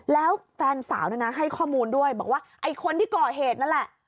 แล้วแฟนสาวนะนะให้ข้อมูลด้วยบอกว่าไอ้คนที่ก่อเหตุนั่นแหละ